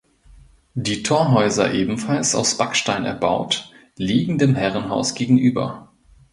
Die Torhäuser ebenfalls aus Backstein erbaut liegen dem Herrenhaus gegenüber.